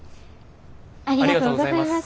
ありがとうございます。